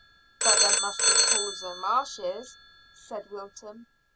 "But there must be pools and marshes," said Wilton.